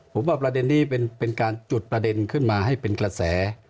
ผมว่าประเด็นนี้เป็นการจุดประเด็นขึ้นมาให้เป็นกระแส